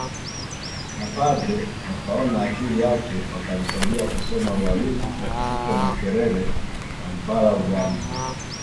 Mapadre wakaona akili yake wakamsaidia kusoma ualimu huko Makerere Kampala Uganda